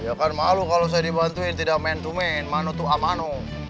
ya kan malu kalau saya dibantuin tidak main to main mano to amanu